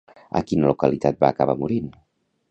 A quina localitat va acabar morint?